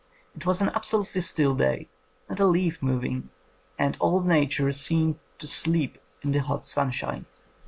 It was an absolutely still day — not a leaf moving, and all Nature seemed to sleep in the hot sunshine.